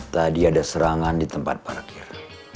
tadi ada serangan di tempat parkir